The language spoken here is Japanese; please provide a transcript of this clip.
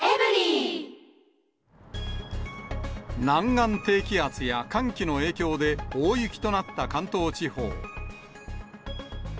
南岸低気圧や寒気の影響で、大雪となった関東地方。